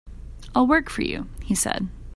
"I'll work for you," he said.